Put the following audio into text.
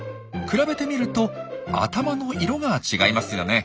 比べてみると頭の色が違いますよね。